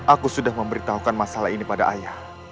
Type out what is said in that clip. aku sudah memberitahukan masalah ini pada ayah